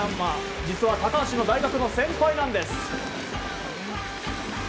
実は高橋の大学の先輩なんです。